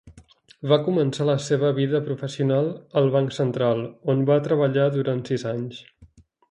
Va començar la seva vida professional al Banc Central, on va treballar durant sis anys.